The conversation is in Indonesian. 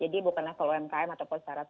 jadi bukan level umkm ataupun startup